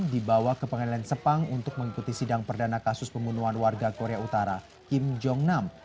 dibawa ke pengadilan sepang untuk mengikuti sidang perdana kasus pembunuhan warga korea utara kim jong nam